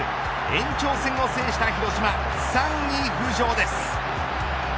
延長戦を制した広島３位浮上です。